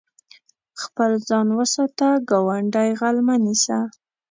خپل ځان وساته، ګاونډی غل مه نيسه.